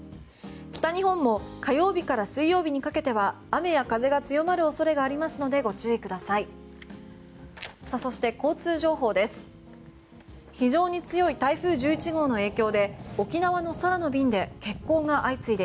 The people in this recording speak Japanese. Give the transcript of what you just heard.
北日本も火曜日から水曜日にかけては雨や風が強まる恐れがありますのでご注意ください。